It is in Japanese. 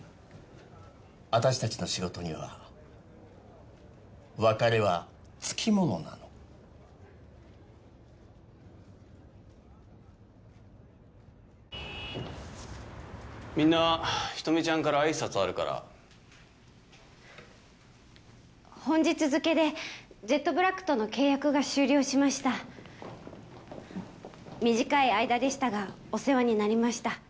私たちの仕事には別れはつきものなのみんな人見ちゃんから挨拶あるから本日付でジェットブラックとの契約が終了しました短い間でしたがお世話になりました